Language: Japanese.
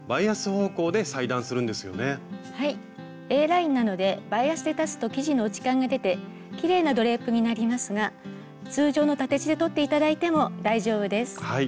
Ａラインなのでバイアスで裁つと生地の落ち感が出てきれいなドレープになりますが通常の縦地で取って頂いても大丈夫です。